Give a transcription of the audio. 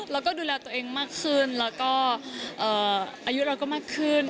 เราก็ดูแลตัวเองมากขึ้นแล้วก็อายุเราก็มากขึ้น